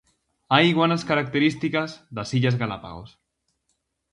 Hai iguanas características das Illas Galápagos.